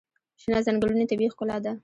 شنه ځنګلونه طبیعي ښکلا ده.